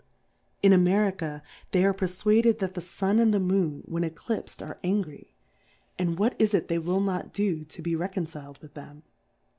In America they are perfuaded that the Sun and the Moon, when E clips'd, are angry ; And what is it they will not do to be reconciPd with them